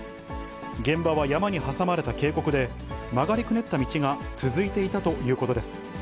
現場は山に挟まれた渓谷で、曲がりくねった道が続いていたということです。